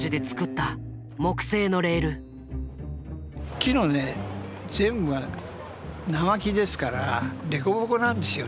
木のね全部が生木ですから凸凹なんですよね。